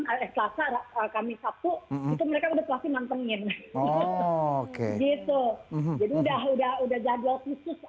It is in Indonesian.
hari selasa kami sabtu itu mereka udah pasti nantengin gitu udah udah udah jadwal khusus